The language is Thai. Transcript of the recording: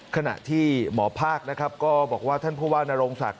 ขณะที่หมอภาคก็บอกว่าท่านผู้ว่านรงศักดิ์